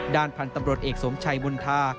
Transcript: ด้านพันธุ์ตำรวจเอกสมชัยบุญธา